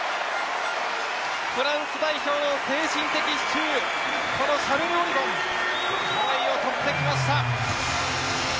フランス代表の精神的支柱、シャルル・オリヴォン、トライを取ってきました！